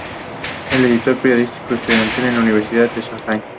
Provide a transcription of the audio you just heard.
Tiene nivel olímpico en pesas y tiene una extraordinaria agilidad y reflejos.